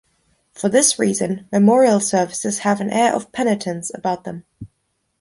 For this reason, memorial services have an air of penitence about them.